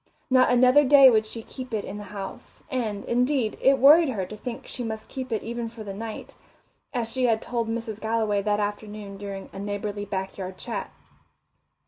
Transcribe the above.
Not another day would she keep it in the house, and, indeed, it worried her to think she must keep it even for the night, as she had told Mrs. Galloway that afternoon during a neighbourly back yard chat.